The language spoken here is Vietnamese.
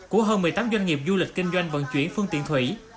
của hơn một mươi tám doanh nghiệp du lịch kinh doanh vận chuyển phương tiện thủy